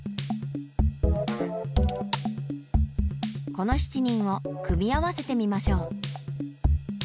この７人を組み合わせてみましょう。